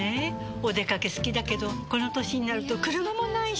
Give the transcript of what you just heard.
お出かけ好きだけどこの歳になると車もないし。